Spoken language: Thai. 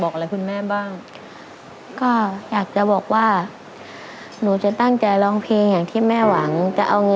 คุณแม่เท่นึงเลยเนาะ